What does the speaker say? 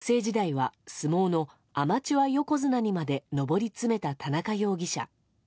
自らも日大出身で、学生時代は相撲のアマチュア横綱にまで上り詰めた田中容疑者。